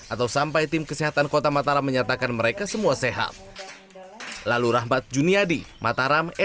atau sampai tim kesehatan kota mataram menyatakan mereka semua sehat